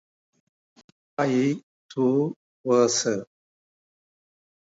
Limekilns is the birthplace of George Thomson.